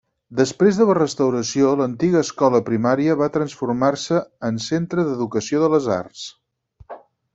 Després de la restauració l'antiga escola primària va transformar-se en centre d'educació de les arts.